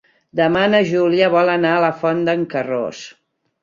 Demà na Júlia vol anar a la Font d'en Carròs.